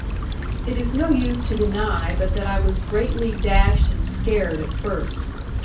It is no use to deny but that I was greatly dashed and scared at first.